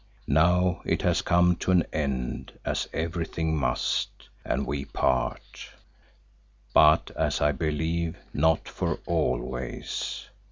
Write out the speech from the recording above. Now it has come to an end as everything must, and we part, but as I believe, not for always.